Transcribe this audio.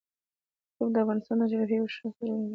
رسوب د افغانستان د جغرافیې یوه ښه او څرګنده بېلګه ده.